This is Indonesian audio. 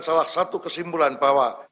salah satu kesimpulan bahwa